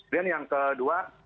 dan yang kedua